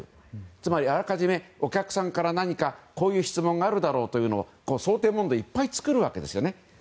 つまりあらかじめ、お客さんからこういう質問があるだろうという想定問答をいっぱい作るんですね。